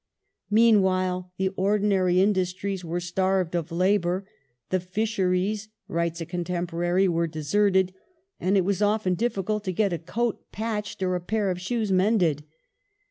Meanwhile the ordinary industries were starved of labour; "the fisheries," writes a contemporary, "were deserted and it was often difficult to get a coat patched or a pail* of shoes mended